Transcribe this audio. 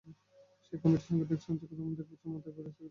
সেই কমিটির সাংগঠনিক কার্যক্রম দেড় বছরের মাথায় এবার স্থগিত করেছে কেন্দ্র।